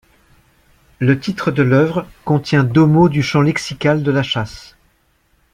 Le titre de l'œuvre contient deux mots du champ lexical de la chasse.